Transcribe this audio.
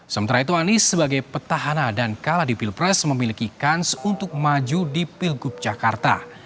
sementara itu anies sebagai petahana dan kalah di pilpres memiliki kans untuk maju di pilgub jakarta